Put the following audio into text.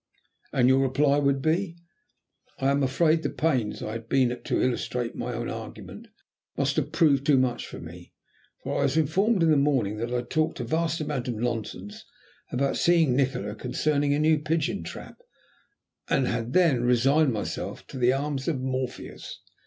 "And your reply would be?" I am afraid the pains I had been at to illustrate my own argument must have proved too much for me, for I was informed in the morning that I had talked a vast amount of nonsense about seeing Nikola concerning a new pigeon trap, and had then resigned myself to the arms of Morpheus.